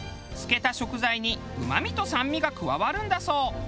漬けた食材にうまみと酸味が加わるんだそう。